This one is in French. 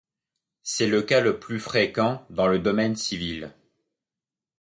C'est le cas le plus fréquent dans le domaine civil.